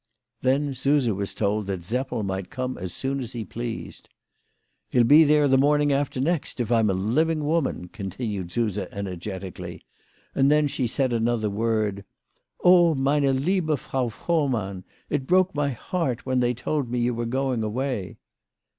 Then Suse was told that Seppel might come as soon as he pleased. "He'll be there the morning after next if I'm a living woman," continued Suse energetically; and then she said another word, " Oh, meine liebe Frau Froh mann, it broke my heart when they told me you were going away."